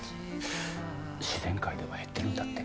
自然界では減ってるんだって。